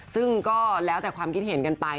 ซึ่งก็แล้วแต่ความคิดเห็นกันไป